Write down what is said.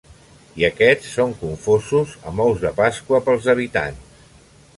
I aquests són confosos amb ous de Pasqua pels habitants.